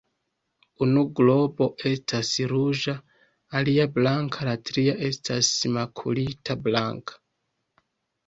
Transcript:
Unu globo estas ruĝa, alia blanka la tria estas makulita blanka.